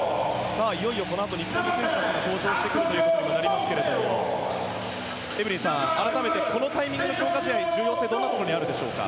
いよいよ、このあと日本の選手たちが登場してきますがエブリンさん、改めてこのタイミングでの強化試合の重要性はどんなところにあるでしょうか。